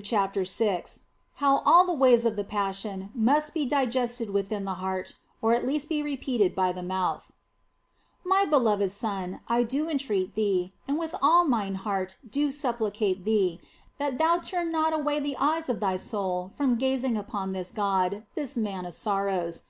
CHAPTER VI HOW ALL THE WAYS OF THE PASSION MUST BE DIGESTED WITHIN THE HEART, OR AT LEAST BE REPEATED BY THE MOUTH MY beloved son, I do entreat thee, and with all mine heart do supplicate thee, that thou turn not away the eyes of thy soul from gazing upon this God, this Man of Sorrows.